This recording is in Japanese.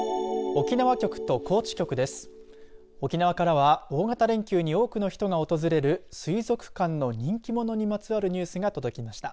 沖縄からは大型連休に多くの人が訪れる水族館の人気者にまつわるニュースが届きました。